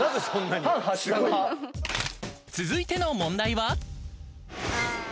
［続いての問題は］